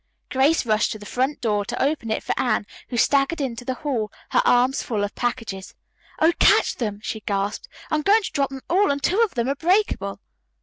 Grace rushed to the front door to open it for Anne, who staggered into the hall, her arms full of packages. "Oh, catch them," she gasped. "I'm going to drop them all and two of them are breakable."